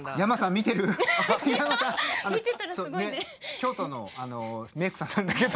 京都のメークさんなんだけど。